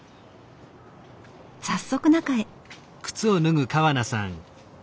早速中へ。